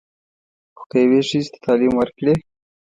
خو که یوې ښځې ته تعلیم ورکړې.